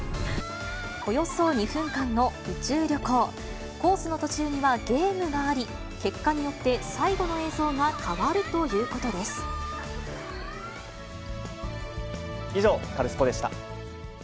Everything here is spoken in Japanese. およそ２分間の宇宙旅行。コースの途中にはゲームがあり、結果によって、最後の映像が変わ以上、カルスポっ！でした。